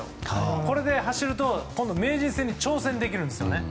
これで走ると名人戦に挑戦できるんですよね。